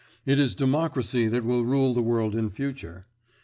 It is Democracy that will rule the world in future.